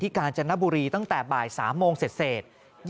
ที่การจรรพบุรีตั้งแต่บ่าย๓โมงเศษ